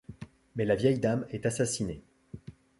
Mais la vieille dame est assassinée.